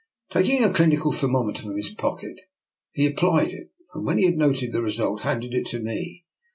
Taking a clinical thermometer from his pocket, he applied it, and, when he had noted the result, handed it to me.